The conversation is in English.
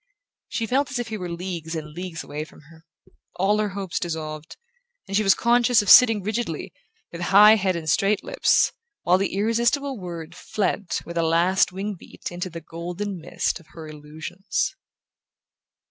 She felt as if he were leagues and leagues away from her. All her hopes dissolved, and she was conscious of sitting rigidly, with high head and straight lips, while the irresistible word fled with a last wing beat into the golden mist of her illusions...